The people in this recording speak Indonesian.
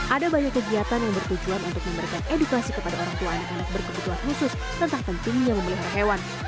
ada banyak kegiatan yang bertujuan untuk memberikan edukasi kepada orang tua anak anak berkebutuhan khusus tentang pentingnya memelihara hewan